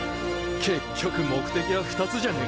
結局目的は２つじゃねえか。